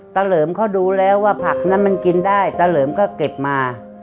เหลิมเขาดูแล้วว่าผักนั้นมันกินได้ตาเหลิมก็เก็บมา